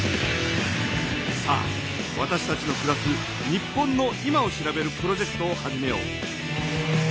さあわたしたちのくらす日本の今を調べるプロジェクトを始めよう。